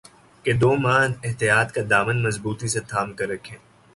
کہ دو ماہ احتیاط کا دامن مضبوطی سے تھام کررکھیں